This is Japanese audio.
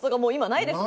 ないです。